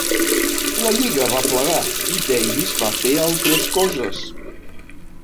La lliga va plegar i Davis va fer altres coses.